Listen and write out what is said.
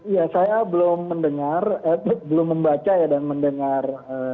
ya saya belum mendengar belum membaca ya dan mendengar